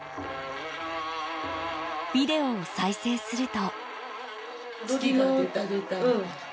ビデオを再生すると。